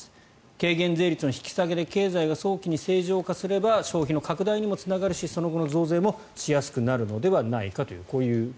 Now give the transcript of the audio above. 軽減税率の引き下げで経済が早期に正常化すれば消費の拡大にもつながるしその後の増税もしやすくなるんじゃないかと。